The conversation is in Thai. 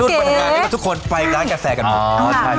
ไว้รุ่นไปทำงานให้ทุกคนไปร้านกาแฟกัน